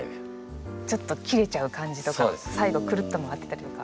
ちょっと切れちゃう感じとか最後クルッと回ってたりとか。